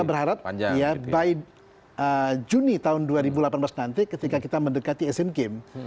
kita berharap ya by juni tahun dua ribu delapan belas nanti ketika kita mendekati asian games